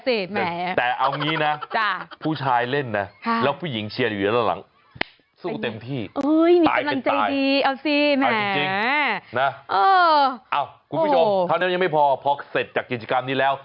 คุณผู้ชมเท่านั้นยังไม่พอพอเสร็จจากกิจกรรมนี้แล้ว